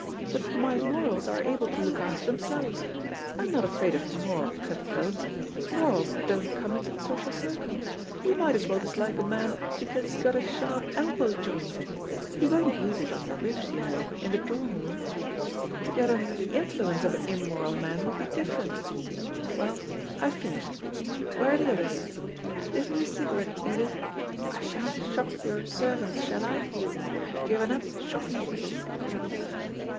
But my morals are able to look after themselves. I'm not afraid of moral cut throats. Morals don't come into the social circle. You might as well dislike a man because he's got a sharp elbow joint. He won't use it on your ribs, you know, in the drawing room. To get under the influence of an immoral man would be different. We'll, I've finished. Where are the others? Give me a cigarette, Edith. I sha'n't shock your servants, shall I? I've given up shocking people."